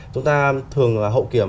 chúng ta thường hậu kiểm